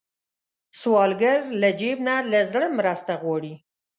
سوالګر له جیب نه، له زړه مرسته غواړي